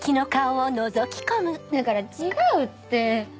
だから違うって！